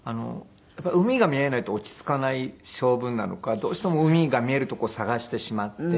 海が見えないと落ち着かない性分なのかどうしても海が見える所探してしまって。